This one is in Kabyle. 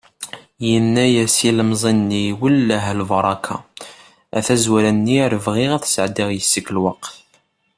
Yenna-as yilemẓi-nni: "Welleh a lbaraka, a tazwara-nni ar bɣiɣ ad sεeddiɣ yis-k lweqt"